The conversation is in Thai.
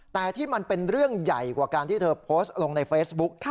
แต่ที่มันเป็นเรื่องใหญ่กว่าการที่เธอโพสต์ลงในเฟซบุ๊ก